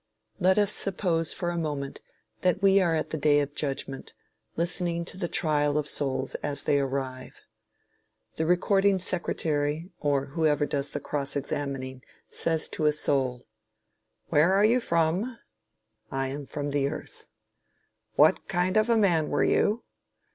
Let us suppose, for a moment, that we are at the Day of Judgment, listening to the trial of souls as they arrive. The Recording Secretary, or whoever does the cross examining, says to a soul: Where are you from? I am from the Earth. What kind of a man were you?